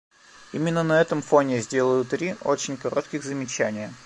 Именно на этом фоне я сделаю три очень коротких замечания.